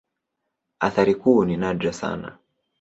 Athari kuu ni nadra sana.